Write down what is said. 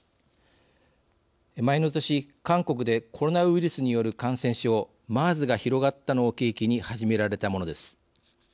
前の年韓国でコロナウイルスによる感染症ＭＥＲＳが広がったのを契機に始められたものです。